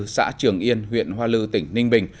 xã trường yên huyện hoa lư tỉnh ninh bình